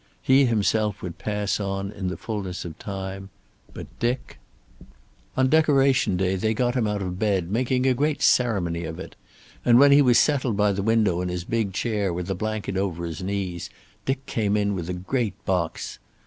He himself would pass on, in the fullness of time, but Dick On Decoration Day they got him out of bed, making a great ceremony of it, and when he was settled by the window in his big chair with a blanket over his knees, Dick came in with a great box.